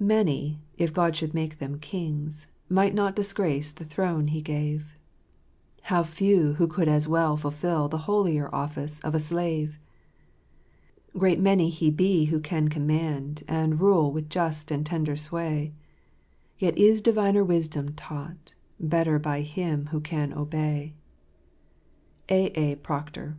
Many, if God should make them kings, Might not disgrace the throne He gave ; How few who could as well fulfil The holier office of a slave I *' Great may he be who can command, And rule with just and tender sway ; Yet is diviner wisdom taught Better by him who can obey." A. A. Proctor.